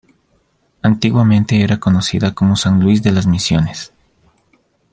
Antiguamente era conocida como San Luis de las Misiones.